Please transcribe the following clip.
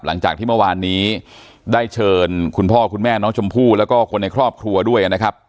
หลังจากที่เมื่อวานนี้ได้เชิญคุณพ่อคุณแม่น้องชมพู่แล้วก็คนในครอบครัวด้วยนะครับ